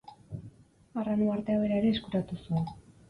Arran uhartea bera ere eskuratu zuen.